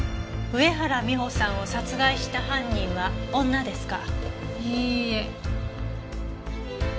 上原美帆さんを殺害した犯人は女ですか。